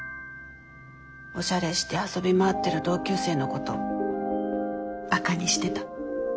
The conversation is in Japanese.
おしゃれして遊び回ってる同級生のことバカにしてた。